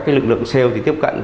các lực lượng sale tiếp cận